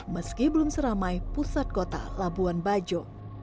meski belum seramai pusat kota labuan bajo